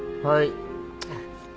はい。